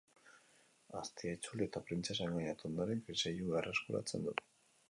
Aztia itzuli eta printzesa engainatu ondoren, kriseilu berreskuratzen du.